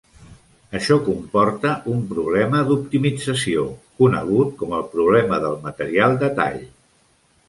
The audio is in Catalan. Això comporta un problema d'optimització, conegut com el problema del material de tall.